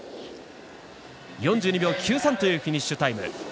４２秒９３というフィニッシュタイム。